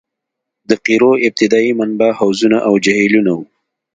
د قیرو ابتدايي منبع حوضونه او جهیلونه وو